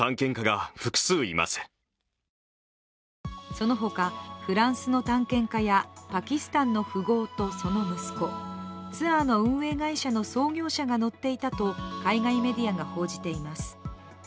そのほか、フランスの探検家やパキスタンの富豪とその息子、ツアーの運営会社の創業者が乗っていたと海外メディアが報じています。